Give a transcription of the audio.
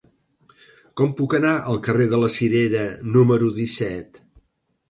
Com puc anar al carrer de la Cirera número disset?